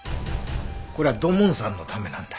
これは土門さんのためなんだ。